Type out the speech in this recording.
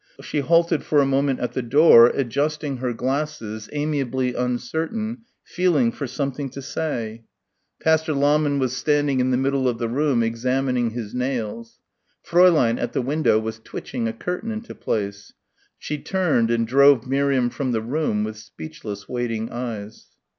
She halted for a moment at the door, adjusting her glasses, amiably uncertain, feeling for something to say. Pastor Lahmann was standing in the middle of the room examining his nails. Fräulein, at the window, was twitching a curtain into place. She turned and drove Miriam from the room with speechless waiting eyes.